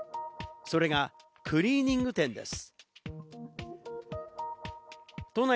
それがクリーニング店です。